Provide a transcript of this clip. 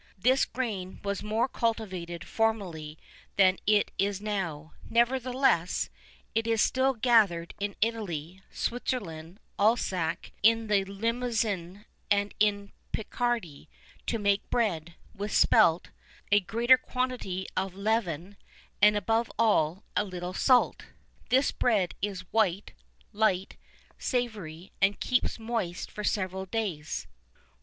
This grain was more cultivated formerly than it is now; nevertheless, it is still gathered in Italy, Switzerland, Alsace, in the Limousin and in Picardy, to make bread, with spelt, a greater quantity of leaven, and, above all, a little salt. This bread is white, light, savoury, and keeps moist for several days.